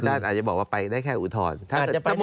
อาจารย์อาจจะบอกว่าไปได้แค่อุทธรรม